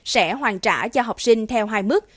sẽ hoàn trả cho học sinh theo hai mức